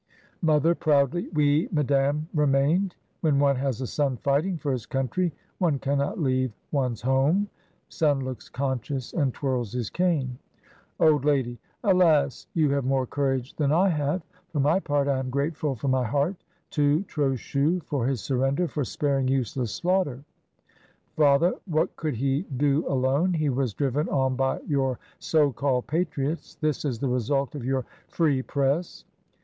Mother {proudly), "We, madame, remained. When one has a son fighting for his country, one cannot leave one's home." {Son looks conscious and twirls his cane?) Old Lady. "Alas! you have more courage than I have. For my part I am grateful from my heart to Trochu for his surrender, for sparing useless slaughter." Father. "What could he do alone? he was driven on by your so called patriots. This is the result of your free press."